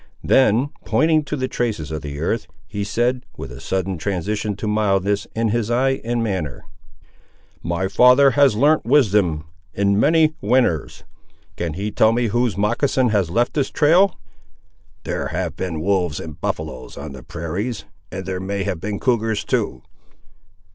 Then pointing to the traces on the earth, he said, with a sudden transition to mildness, in his eye and manner— "My father has learnt wisdom, in many winters; can he tell me whose moccasin has left this trail?" "There have been wolves and buffaloes on the prairies; and there may have been cougars too."